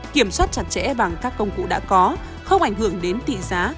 kiểm soát chặt chẽ bằng các công cụ đã có không ảnh hưởng đến tỷ giá